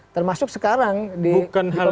termasuk sekarang di pemerintahan ini